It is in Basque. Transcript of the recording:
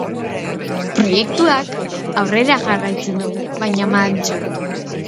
Proiektuak aurrera jarraitzen du, baina mantso.